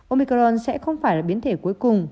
omicron sẽ không phải là biến thể cuối cùng